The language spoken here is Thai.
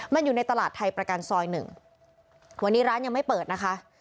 มันอยู่ในตลาดไทยประกันซอยหนึ่งวันนี้ร้านยังไม่เปิดนะคะ